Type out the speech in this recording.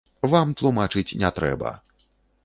Вам тлумачыць не трэба.